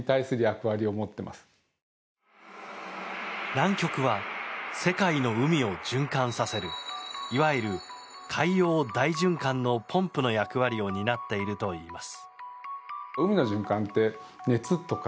南極は世界の海を循環させるいわゆる海洋大循環のポンプの役割を担っているといいます。